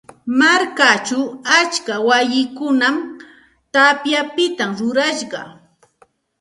Markachaw atska wayikunam tapyapita rurashqa.